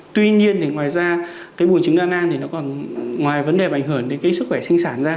tuy nhiên ngoài ra bùn trứng đa năng thì nó còn ngoài vấn đề ảnh hưởng đến sức khỏe sinh sản ra